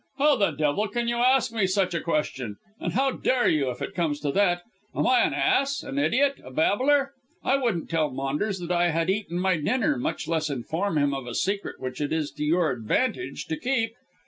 "How the devil can you ask me such a question, and how dare you, if it comes to that? Am I an ass, an idiot, a babbler? I wouldn't tell Maunders that I had eaten my dinner, much less inform him of a secret which it is to your advantage to keep.